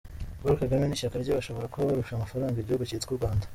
Paul Kagame n’ishyaka rye bashobora kuba barusha amafaranga igihugu cyitwa u Rwanda!